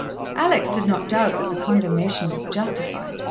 Alex did not doubt that the condemnation was justified.